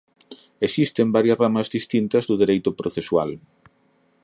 Existen varias ramas distintas do Dereito Procesual.